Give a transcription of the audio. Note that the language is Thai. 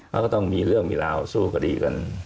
เขาก็ต้องมีเรื่องมีราวสู้คดีกัน